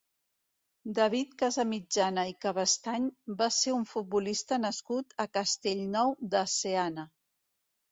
David Casamitjana i Cabestany va ser un futbolista nascut a Castellnou de Seana.